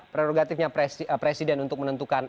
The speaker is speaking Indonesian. prerogatifnya presiden untuk menentukan